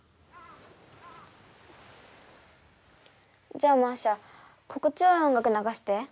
じゃあマーシャ心地よい音楽ながして。